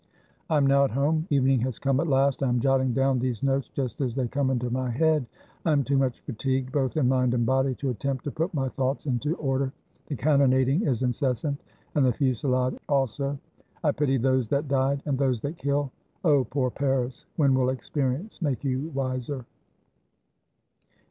I am now at home. Evening has come at last; I am jotting down these notes just as they come into my head. I am too much fatigued both in mind and body to attempt to put my thoughts into order. The cannonad ing is incessant, and the fusillade also. I pity those that died, and those that kill! Oh! poor Paris, when will experience make you wiser?